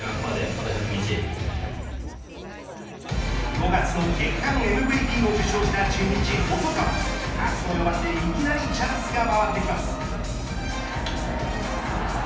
５月の月間ＭＶＰを受賞した中日、細川初の４番でいきなりチャンスが回ってきます。